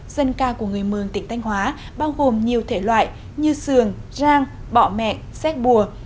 dân ca của người mường tỉnh thanh hóa bao gồm nhiều thể loại như sường rang bọ mẹ xét bùa